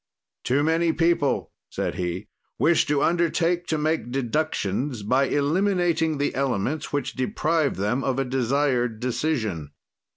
"Too many people," said he, "wish to undertake to make deductions by eliminating the elements which deprive them of a desired decision.